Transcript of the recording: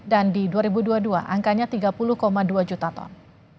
dan di dua ribu dua puluh dua angkanya tiga puluh dua juta ton